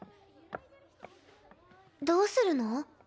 どうするの？